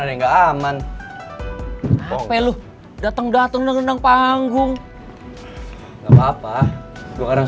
boleh teman teman ke sana sekarang